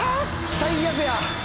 最悪や！